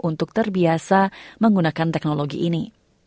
untuk terbiasa menggunakan teknologi ini